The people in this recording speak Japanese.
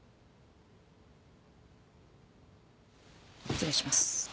失礼します。